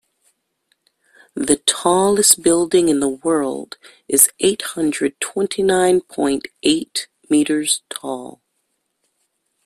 The tallest building in the world is eight hundred twenty nine point eight meters tall.